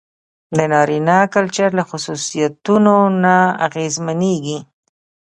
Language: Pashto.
د نارينه کلچر له خصوصيتونو نه اغېزمنېږي.